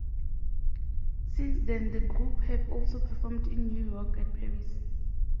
Since then the group have also performed in New York and Paris.